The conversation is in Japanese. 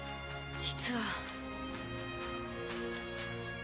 実は。